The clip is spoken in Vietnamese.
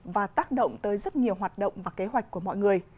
và tác động tới rất nhiều hoạt động và kế hoạch của mọi người